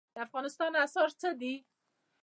د افغانستان اسعار څه دي؟